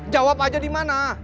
jawab aja di mana